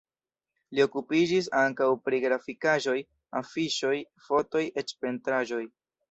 Li okupiĝis ankaŭ pri grafikaĵoj, afiŝoj, fotoj, eĉ pentraĵoj.